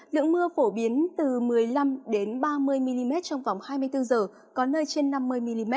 lượng mưa phổ biến từ một mươi năm ba mươi mm trong vòng hai mươi bốn h có nơi trên năm mươi mm